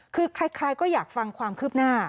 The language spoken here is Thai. คือใครก็อยากฟังความคืบหน้า